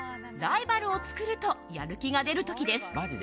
ライバルを作るとやる気が出る時です。